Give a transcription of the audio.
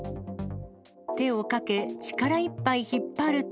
手をかけ、力いっぱい引っ張ると。